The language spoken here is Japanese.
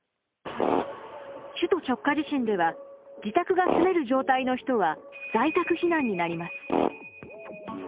首都直下地震では自宅が住める状態の人は在宅避難になります。